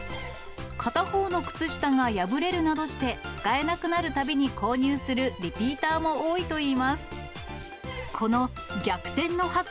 片方の靴下が破れるなどして使えなくなるたびに購入するリピーターも多いといいます。